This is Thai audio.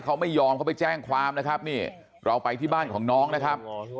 เขาไม่ยอมเขาไปแจ้งความนะครับนี่เราไปที่บ้านของน้องนะครับ